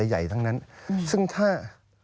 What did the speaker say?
ใหญ่ทั้งนั้นซึ่งถ้า